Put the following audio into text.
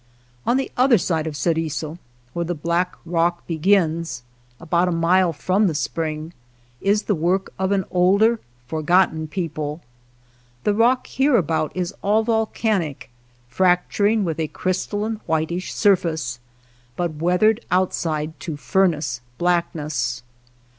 On the other side of Ceriso, where the black rock begins, about a mile from the spring, is the work of an older, forgotten people. The rock hereabout is all volcanic, fracturing with a crystalline whitish surface, but weath 42 WATER TRAILS OF THE CERISO ered outside to furnace blackness.